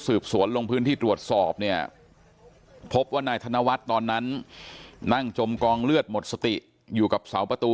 สวนลงพื้นที่ตรวจสอบเนี่ยพบว่านายธนวัฒน์ตอนนั้นนั่งจมกองเลือดหมดสติอยู่กับเสาประตู